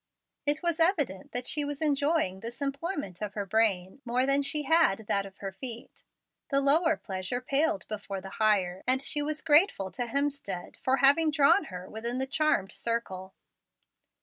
It was evident that she was enjoying this employment of her brain more than she had that of her feet. The lower pleasure paled before the higher; and she was grateful to Hemstead for having drawn her within the charmed circle.